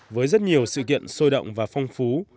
với rất nhiều sự kiện sôi động và phong phú